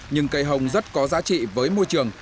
nhưng cây hồng rất có giá trị với môi trường